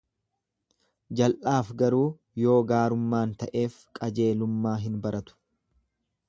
Jal'aaf garuu yoo gaarummaan ta'eef qajeelummaa hin baratu.